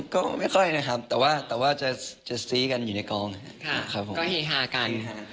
ก็เฮวะกัน